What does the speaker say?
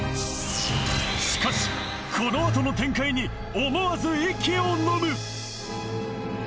しかしこのあとの展開に思わず息をのむ